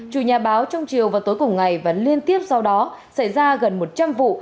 chủ nhà báo trong chiều và tối cùng ngày và liên tiếp sau đó xảy ra gần một trăm linh vụ